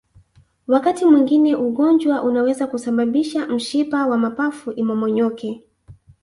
Wakati mwingine ugonjwa unaweza kusababisha mshipa wa mapafu imomonyoke